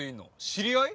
知り合い？